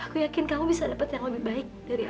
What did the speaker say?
aku yakin kamu bisa dapat yang lebih baik dari aku